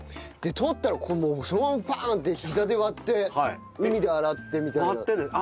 採ったらそのままパン！ってひざで割って海で洗ってみたいな。